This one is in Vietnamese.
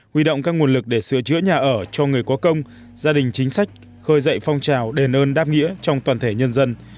huy động các nguồn lực để sửa chữa nhà ở cho người có công gia đình chính sách khơi dậy phong trào đền ơn đáp nghĩa trong toàn thể nhân dân